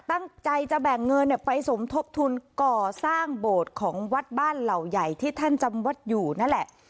ตั้งใจจะแบ่งเงินไปสมทบทุนก่อสร้างโบสถ์ของวัดบ้านเหล่าใหญ่ที่ท่านจำวัดอยู่นั่นแหละ